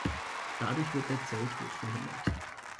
Dadurch wird der Zelltod verhindert.